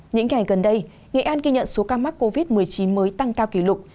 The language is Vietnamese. những ngày gần đây nghệ an ghi nhận số ca mắc covid một mươi chín mới tăng cao kỷ lục